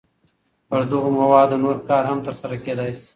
پر دغو موادو نور کار هم تر سره کېدای شي.